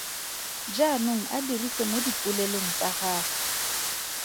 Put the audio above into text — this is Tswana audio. Jaanong a dirise mo dipolelong tsa gago.